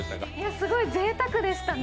すごいぜいたくでしたね。